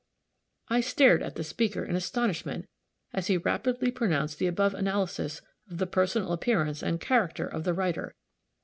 I stared at the speaker in astonishment as he rapidly pronounced the above analysis of the personal appearance and character of the writer.